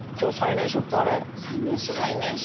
最年少？